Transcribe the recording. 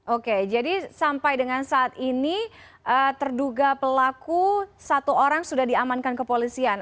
oke jadi sampai dengan saat ini terduga pelaku satu orang sudah diamankan kepolisian